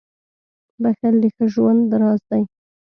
• بښل د ښه ژوند راز دی.